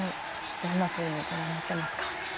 どんなふうにご覧になってますか。